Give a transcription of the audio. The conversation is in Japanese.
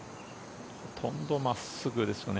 ほとんど真っすぐですよね。